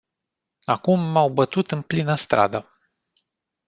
Acum m-au bătut în plină stradă.